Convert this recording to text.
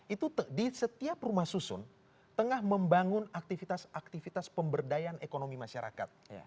itu di setiap rumah susun tengah membangun aktivitas aktivitas pemberdayaan ekonomi masyarakat